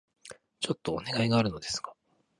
ちょっとお願いがあるのですが...